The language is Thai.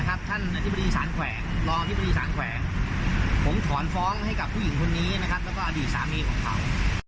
ท่านอธิบดีสารแขวงรองอธิบดีสารแขวงผมถอนฟ้องให้กับผู้หญิงคนนี้แล้วก็อดีตสามีของเขา